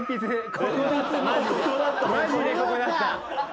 マジでここだった。